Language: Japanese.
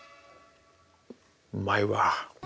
うまいわ。